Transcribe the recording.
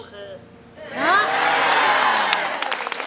โอเค